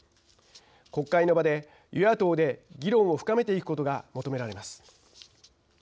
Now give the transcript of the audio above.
国会の場で与野党で議論を深めていくことが求められます。